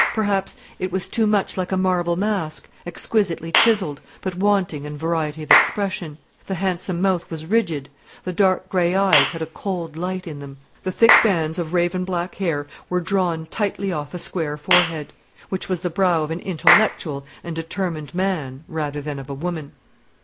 Perhaps it was too much like a marble mask, exquisitely chiselled, but wanting in variety of expression. The handsome mouth was rigid; the dark grey eyes had a cold light in them. The thick bands of raven black hair were drawn tightly off a square forehead, which was the brow of an intellectual and determined man rather than of a woman.